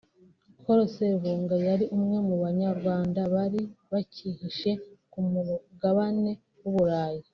Col Serubuga yari umwe mu Banyarwanda bari bakihishe ku mugabane w’u Burayi